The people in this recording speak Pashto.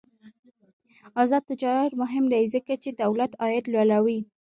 آزاد تجارت مهم دی ځکه چې دولت عاید لوړوي.